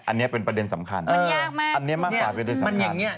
อันนี้เป็นประเด็นสำคัญอันนี้มากกว่าประเด็นสำคัญ